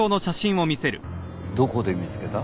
どこで見つけた？